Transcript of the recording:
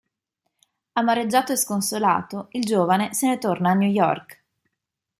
Amareggiato e sconsolato, il giovane se ne torna a New York.